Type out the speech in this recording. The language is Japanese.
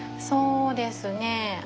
そうですね。